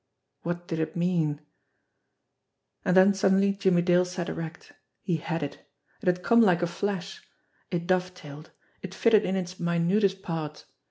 What did it mean ? And then suddenly Jimmie Dale sat erect. He had it ! It had come like a flash. It dovetailed ; it fitted in its minutest part.